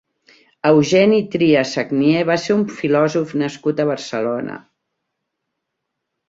Eugeni Trias Sagnier va ser un filòsof nascut a Barcelona.